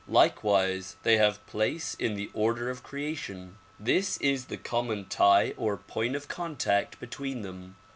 Likewise they have place in the order of creation. This is the common tie or point of contact between them.